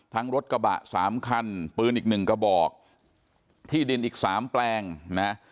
ทั้งรถกระบะสามคันปืนอีกหนึ่งกระบอกที่ดินอีกสามแปลงนะ